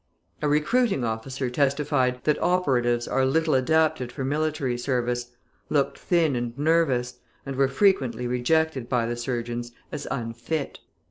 {159a} A recruiting officer {159b} testified that operatives are little adapted for military service, looked thin and nervous, and were frequently rejected by the surgeons as unfit.